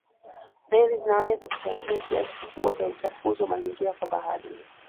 Meli zinaweza kuchangia kiasi kikubwa cha uchafuzi wa mazingira kwa baharini